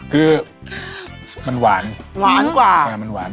คือพอเป็นแกงคั่วจะต้องหวาน